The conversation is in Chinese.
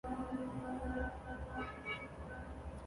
有亲属从国外回来